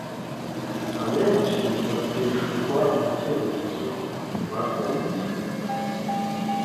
Abenshi bateshurwa mu cyerekezo bagombye